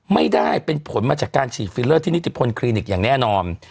ไม่ได้เป็นผลมาจากการฉีดฟิลเลอร์ที่นิติพลคลินิกอย่างแน่นอน